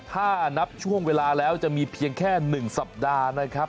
ถ้านับช่วงเวลาแล้วจะมีเพียงแค่๑สัปดาห์นะครับ